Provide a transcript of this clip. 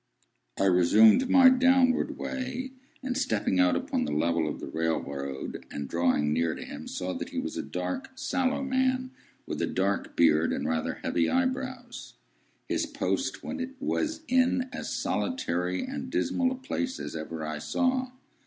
I resumed my downward way, and stepping out upon the level of the railroad, and drawing nearer to him, saw that he was a dark, sallow man, with a dark beard and rather heavy eyebrows. His post was in as solitary and dismal a place as ever I saw.